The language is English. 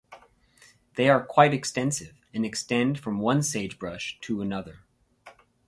They are quite extensive and extend from one sagebrush to another.